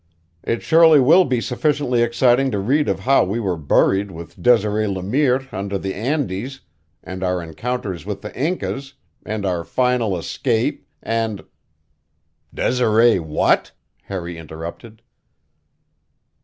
"It surely will be sufficiently exciting to read of how we were buried with Desiree Le Mire under the Andes, and our encounters with the Incas, and our final escape, and " "Desiree what?" Harry interrupted.